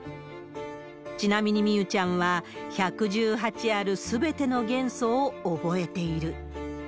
ちなみに、みゆちゃんは１１８あるすべての元素を覚えている。